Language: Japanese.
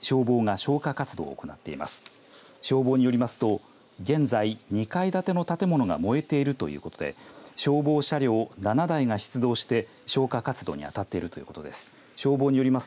消防によりますと、現在２階建ての建物が燃えているということで消防車両７台が出動して消火活動にあたっているということです。